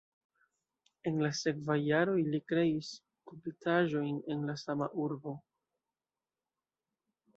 En la sekvaj jaroj li kreis skulptaĵojn en la sama urbo.